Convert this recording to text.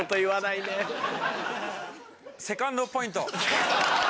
セカンドポイント。